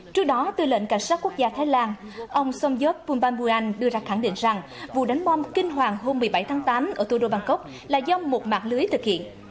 trước đó tư lệnh cảnh sát quốc gia thái lan ông sonjok vunban buanh đưa ra khẳng định rằng vụ đánh bom kinh hoàng hôm một mươi bảy tháng tám ở thủ đô bangkok là do một mạng lưới thực hiện